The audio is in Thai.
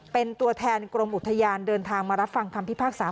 เป็นตัวแทนกรมอุทยานเดินทางมารับฟังคำพิพากษา